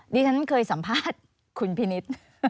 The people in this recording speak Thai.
ดิฉันเคยสัมภาษณ์คุณพินิษฐ์